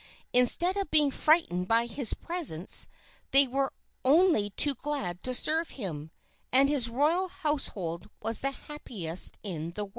Instead of being frightened by his presence, they were only too glad to serve him, and his royal household was the happiest in the world.